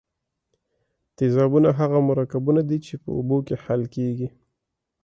تیزابونه هغه مرکبونه دي چې په اوبو کې حل کیږي.